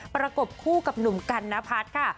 ประกบคู่กับหนุ่มกันนพัฒน์ค่ะ